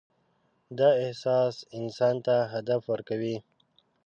دا احساس انسان ته هدف ورکوي.